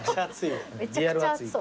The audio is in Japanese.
めちゃくちゃ熱そう。